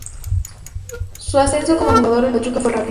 Su ascenso como jugador del Pachuca fue rápido.